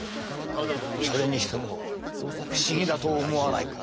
それにしても不思議だと思わないか？